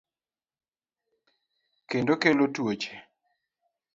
kendo kelo tuoche.